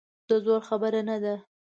د زور خبره نه ده.